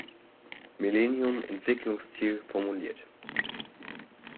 Millennium-Entwicklungsziel formuliert.